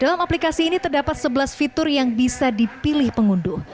dalam aplikasi ini terdapat sebelas fitur yang bisa dipilih pengunduh